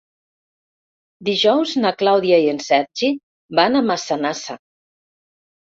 Dijous na Clàudia i en Sergi van a Massanassa.